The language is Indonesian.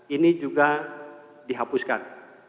ini juga dihapuskan